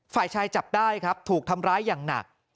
ฝ่ายชายจับได้ครับถูกทำร้ายอย่างหนัก